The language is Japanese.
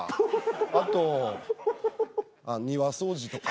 あと庭掃除とか。